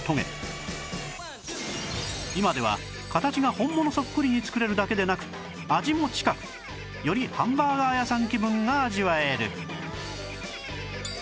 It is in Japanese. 今では形が本物そっくりに作れるだけでなく味も近くよりハンバーガー屋さん気分が味わえる